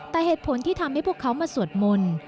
แต่เหตุผลที่ทำให้พวกเขามาสวดมนต์